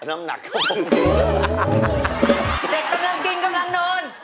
กำลังกินกำลังนอน